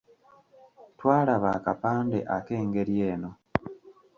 Twalaba akapande ak’engeri eno.